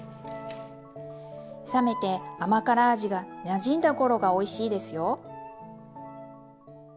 冷めて甘辛味がなじんだ頃がおいしいですよ。